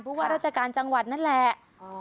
ว่าราชการจังหวัดนั่นแหละ